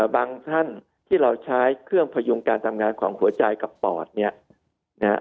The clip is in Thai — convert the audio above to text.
บางท่านที่เราใช้เครื่องพยุงการทำงานของหัวใจกับปอดเนี่ยนะฮะ